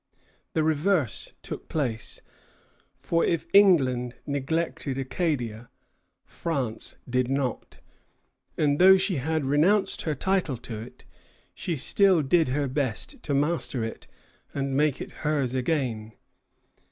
The reverse took place; for if England neglected Acadia, France did not; and though she had renounced her title to it, she still did her best to master it and make it hers again.